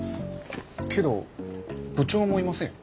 けど部長もいませんよ。